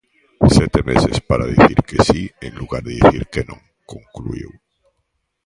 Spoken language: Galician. "Sete meses para dicir que si, en lugar de dicir que non", concluíu.